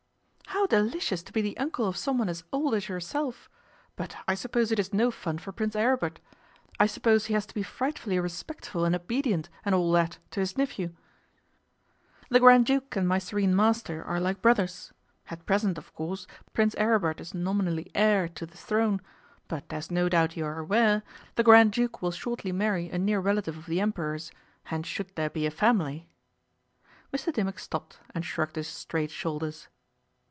'How delicious to be the uncle of someone as old as yourself! But I suppose it is no fun for Prince Aribert. I suppose he has to be frightfully respectful and obedient, and all that, to his nephew?' 'The Grand Duke and my Serene master are like brothers. At present, of course, Prince Aribert is nominally heir to the throne, but as no doubt you are aware, the Grand Duke will shortly marry a near relative of the Emperor's, and should there be a family ' Mr Dimmock stopped and shrugged his straight shoulders.